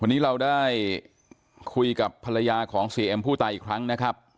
วันนี้เราได้คุยกับภรรยาของเสียเอ็มผู้ตายอีกครั้งนะครับ